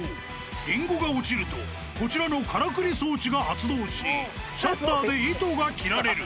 リンゴが落ちると、こちらのからくり装置が発動し、シャッターで糸が切られる。